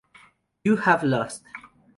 You have lost.